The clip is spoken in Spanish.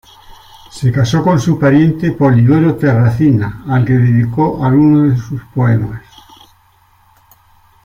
Se casó con su pariente Polidoro Terracina, al que dedicó algunos de sus poemas.